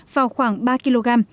vào khoảng ba kg